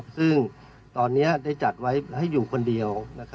ซึ่งตอนนี้ได้จัดไว้ให้อยู่คนเดียว